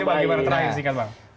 coba bagaimana terakhir sih kan pak